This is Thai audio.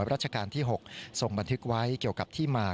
ราชการที่๖ทรงบันทึกไว้เกี่ยวกับที่มา